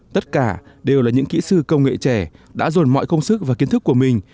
tất cả đều là những kỹ sư công nghệ trẻ đã dồn mọi công sức và kiến thức của mình